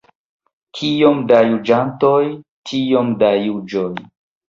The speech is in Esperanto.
Kiom da juĝantoj, tiom da juĝoj.